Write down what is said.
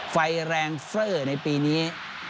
ไฟแรงเฟอร์ในปีนี้